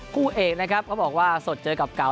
คู่เอกนะครับเขาบอกว่าสดเจอกับเก่า